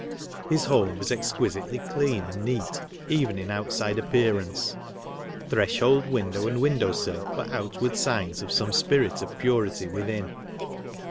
His home was exquisitely clean and neat even in outside appearance ; threshold, window, and window sill, were outward signs of some spirit of purity within.